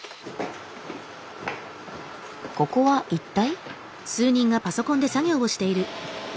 ここは一体。